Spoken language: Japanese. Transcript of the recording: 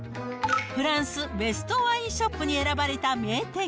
フランスベストワインショップに選ばれた名店。